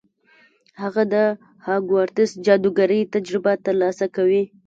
هغه د هاګوارتس جادوګرۍ تجربه ترلاسه کوي.